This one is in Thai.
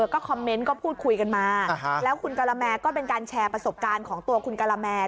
ก็คอมเมนต์ก็พูดคุยกันมาแล้วคุณกะละแมก็เป็นการแชร์ประสบการณ์ของตัวคุณกะละแม